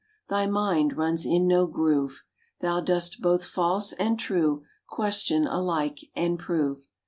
Thy mind runs in no groove. Thou dost both false and true Question alike, and prove.